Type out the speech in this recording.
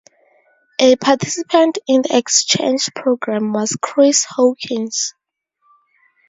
A participant in the exchange program was Chris Hawkins.